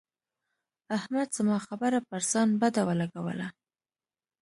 احمد زما خبره پر ځان بده ولګوله.